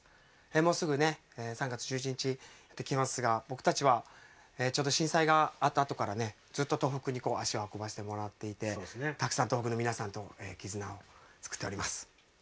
もうすぐ、３月１１日が来ますが僕たちはちょうど震災があったあとからずっと東北に足を運ばせてもらっていてたくさん東北の皆さんとの絆を作っております。